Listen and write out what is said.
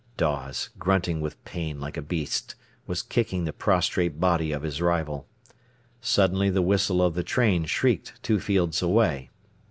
Dawes, grunting with pain like a beast, was kicking the prostrate body of his rival. Suddenly the whistle of the train shrieked two fields away.